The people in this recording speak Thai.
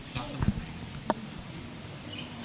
ลัดสมัคร